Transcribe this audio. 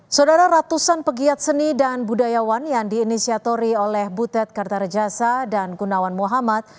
saudara ratusan pegiat seni dan budayawan yang diinisiatori oleh butet kartarejasa dan gunawan muhammad